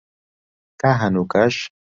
تا هەنووکەش